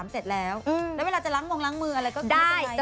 ๑๒๓เสร็จแล้วแล้วเวลาจะล้างวงล้างมืออะไรพี่วิวจะได้เหรอ